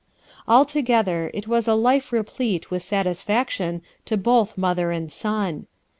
Altogether, it was a life replete with satis faction to both mother and son.